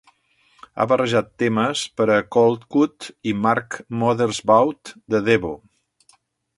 Ha barrejat temes per a Coldcut i Mark Mothersbaugh de Devo.